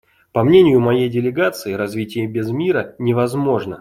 По мнению моей делегации, развитие без мира невозможно.